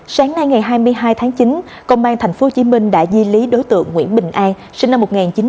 sáng nay ngày hai mươi hai tháng chín công an tp hcm đã di lý đối tượng nguyễn bình an sinh năm một nghìn chín trăm chín mươi